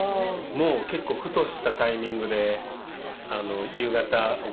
もう結構ふとしたタイミングで夕方お声がけくれて。